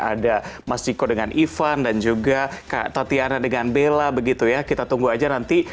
ada mas ciko dengan ivan dan juga kak tatiana dengan bella begitu ya kita tunggu aja nanti